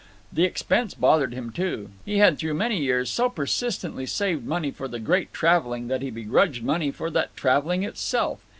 The expense bothered him, too. He had through many years so persistently saved money for the Great Traveling that he begrudged money for that Traveling itself.